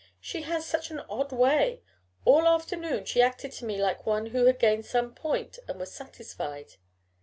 "She has such an odd way. All afternoon she acted to me like one who had gained some point and was satisfied."